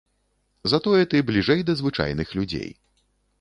Затое ты бліжэй да звычайных людзей.